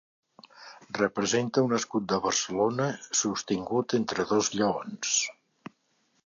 Representa un escut de Barcelona sostingut entre dos lleons.